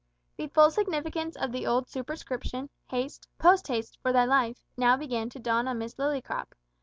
The full significance of the old superscription, "Haste, post haste, for thy life," now began to dawn on Miss Lillycrop.